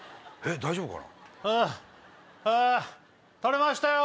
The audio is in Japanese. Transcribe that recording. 大丈夫かな？